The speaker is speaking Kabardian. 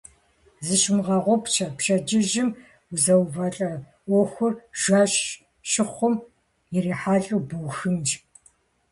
Зыщумыгъэгъупщэ: пщэдджыжьым узэувалӀэ Ӏуэхур жэщ щыхъум ирихьэлӀэу бухынщ.